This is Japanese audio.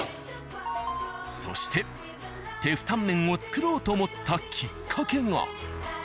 そしてテフタンメンを作ろうと思ったきっかけが。